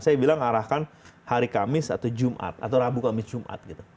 saya bilang arahkan hari kamis atau jumat atau rabu kamis jumat gitu